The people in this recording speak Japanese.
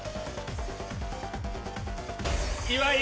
岩井！